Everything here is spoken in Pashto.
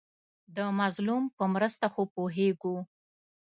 د مظلوم په مرسته خو پوهېږو.